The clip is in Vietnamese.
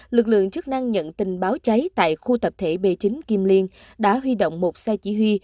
lực lượng chức năng nhận tình báo cháy tại khu tập thể b chín kim liên đã huy động một xe chỉ huy